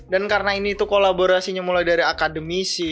dan karena ini tuh kolaborasinya mulai dari akademisi